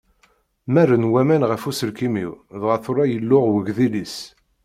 Mmaren waman ɣef uselkim-iw dɣa tura yelluɣ wegdil-is.